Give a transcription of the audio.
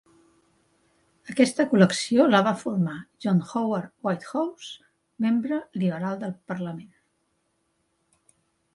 Aquesta col·lecció la va formar John Howard Whitehouse, membre liberal del Parlament.